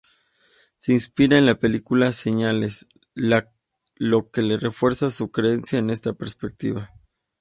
Se inspira en la película Señales, lo que refuerza su creencia en esta perspectiva.